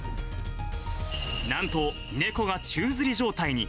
なんと、猫が宙づり状態に。